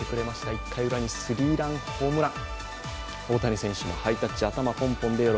１回ウラにスリーランホームラン。